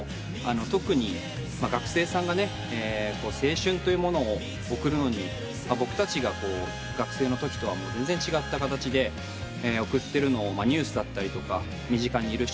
特に学生さんがね青春というものを送るのに僕たちが学生のときとは全然違った形で送ってるのをニュースだったりとか身近にいる人ですごく感じて。